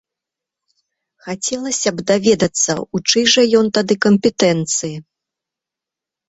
Хацелася б даведацца, у чыёй жа ён тады кампетэнцыі?